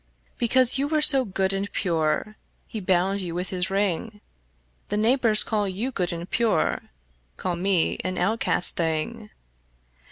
Because you were so good and pure He bound you with his ring: The neighbors call you good and pure, Call me an outcast thing.